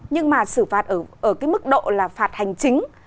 nhưng mà xử phạt ở cái mức độ là phạt hành chính